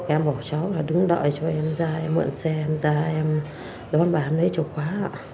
em bảo cháu là đứng đợi cho em ra em mượn xe em ra em đón bà em lấy chìa khóa ạ